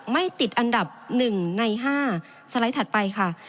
ไม่ติดอันดับหนึ่งในห้าสไลด์ถัดไปค่ะ